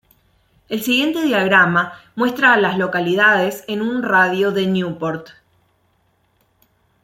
El siguiente diagrama muestra a las localidades en un radio de de Newport.